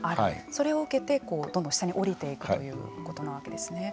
それを受けてどんどん下に下りていくということなわけですね。